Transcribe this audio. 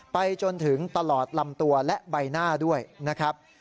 ไปจนถึงตลอดลำตัวและใบหน้าด้วยนะครับ